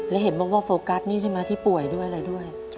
และเห็นบอกว่าโฟกัสนี่ใช่ไหมที่ป่วยด้วยอะไรด้วย